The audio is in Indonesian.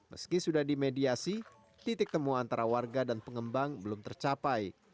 meski sudah dimediasi titik temu antara warga dan pengembang belum tercapai